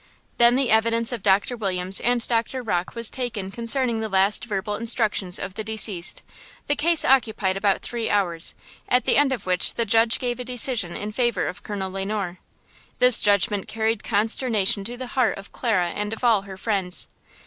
Then the evidence of Doctor Williams and Doctor Rocke was taken concerning the last verbal instructions of the deceased. The case occupied about three hours, at the end of which the judge gave a decision in favor of Colonel Le Noir. This judgment carried consternation to the heart of Clara and of all her friends.